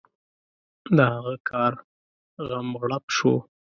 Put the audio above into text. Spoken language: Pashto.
د هغه کار غم غړپ شو.